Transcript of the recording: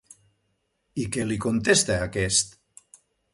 I què li contesta aquest?